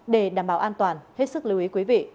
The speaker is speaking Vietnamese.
để đảm bảo an toàn hết sức lưu ý quý vị